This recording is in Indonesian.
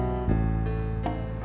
aku mau ke tempat usaha